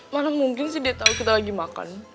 mana mungkin sih dia tahu kita lagi makan